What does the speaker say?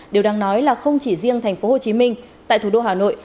điều đáng nói là không chỉ riêng thành phố hồ chí minh tại thủ đô hà nội